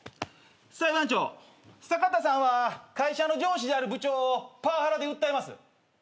裁判長サカタさんは会社の上司である部長をパワハラで訴えます。